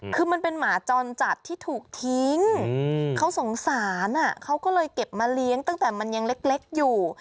คือมันเป็นหมาจรจัดที่ถูกทิ้งเขาสงสารเขาก็เลยเก็บมาเลี้ยงตั้งแต่มันยังเล็กอยู่